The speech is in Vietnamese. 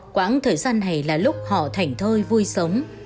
quãng thời gian này là lúc họ thảnh thơi vui sống